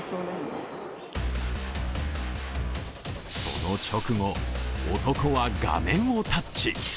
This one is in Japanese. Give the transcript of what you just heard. その直後、男は画面をタッチ。